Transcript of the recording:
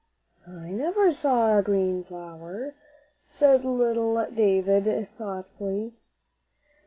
"I never saw a green flower," said little David, thoughtfully.